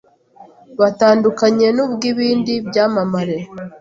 butandukanye n’ubw’ibindi byamamare